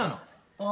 ああ